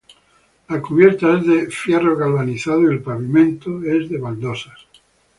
La cubierta es de fierro galvanizado y el pavimento es de baldosas.